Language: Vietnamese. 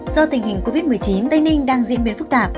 do tình hình covid một mươi chín tây ninh đang diễn biến phức tạp